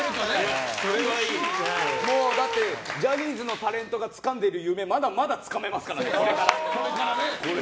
だってジャニーズのタレントがつかんでいる夢まだまだつかめますからね、これから。